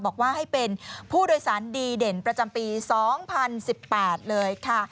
บอกว่าให้เป็นผู้โดยสารดีเด่นประจำปี๒๐๑๘เลยค่ะ